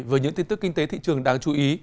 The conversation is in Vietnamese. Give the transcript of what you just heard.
với những tin tức kinh tế thị trường đáng chú ý